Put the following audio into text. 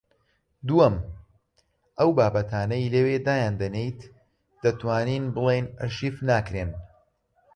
دووەم: ئەو بابەتانەی لەوێ دایان دەنێیت دەتوانین بڵێین ئەرشیف ناکرێن